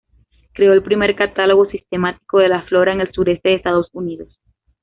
Creó el primer catálogo sistemático de la flora en el sureste de Estados Unidos.